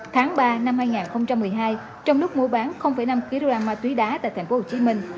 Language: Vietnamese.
tháng ba năm hai nghìn một mươi hai trong lúc mua bán năm kg ma túy đá tại tp hcm